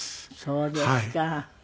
そうですか。